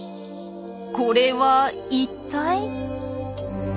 これは一体？